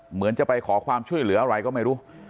เหมือนจะไปขอความช่วยเหลืออะไรก็ไม่รู้